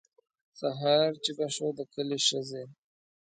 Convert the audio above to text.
سهار چې به شو د کلي ښځې.